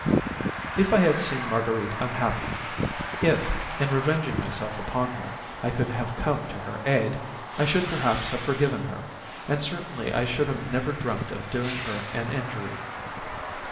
If I had seen Marguerite unhappy, if, in revenging myself upon her, I could have come to her aid, I should perhaps have forgiven her, and certainly I should have never dreamt of doing her an injury.